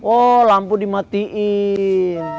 oh lampu dimatiin